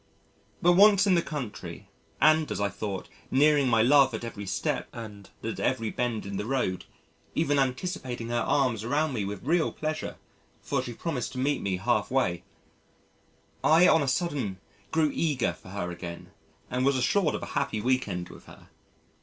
But once in the country and, as I thought, nearing my love at every step and at every bend in the road, even anticipating her arms around me with real pleasure (for she promised to meet me half way), I on a sudden grew eager for her again and was assured of a happy week end with her.